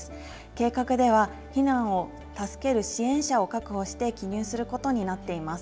計画では、避難を助ける支援者を確保して記入することになっています。